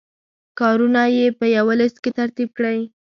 کارونه یې په یوه لست کې ترتیب کړئ.